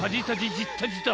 じったじた！